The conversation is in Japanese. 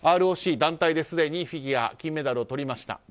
ＲＯＣ団体ですでにフィギュア金メダルをとりました。